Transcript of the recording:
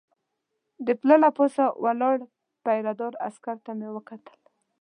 د پله له پاسه ولاړ پیره دار عسکر ته مې وکتل.